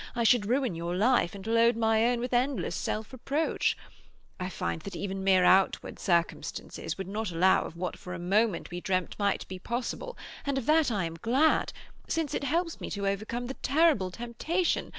I should ruin your life, and load my own with endless self reproach. I find that even mere outward circumstances would not allow of what for a moment we dreamt might be possible, and of that I am glad, since it helps me to overcome the terrible temptation.